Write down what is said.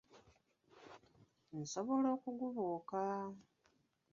Nsobola okugubuuka!